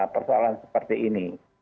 persoalan seperti ini